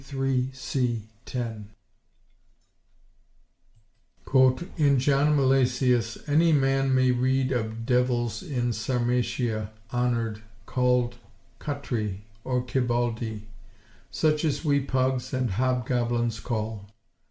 3, c. 10). "In John Milesius any man may reade Of divels in Sarmatia honored, Call'd Kottri, or Kibaldi; such as wee Pugs and Hob–goblins call.